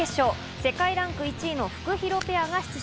世界ランク１位のフクヒロペアが出場。